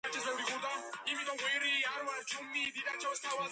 ხარჯების შემცირება მინიმალური ხარჯები